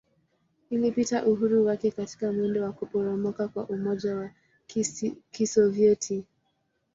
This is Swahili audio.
Ilipata uhuru wake katika mwendo wa kuporomoka kwa Umoja wa Kisovyeti.